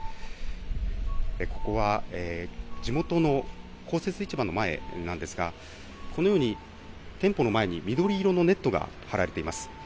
ここは地元の公設市場の前なんですが、このように店舗の前に緑色のネットが張られています。